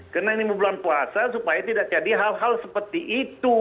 karena ini bulan puasa supaya tidak jadi hal hal seperti itu